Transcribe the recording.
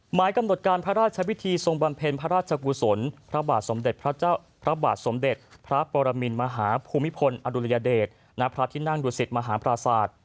หมายกำหนดการพระราชพิธีทรงบำเพ็ญพระราชกุศลพระบาทสมเด็จพระปรมินมหาภูมิพลอดุรยเดชณพระทินั่งดุสิตมหาพระภาษา